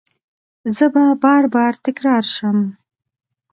زه به بار، بار تکرار شم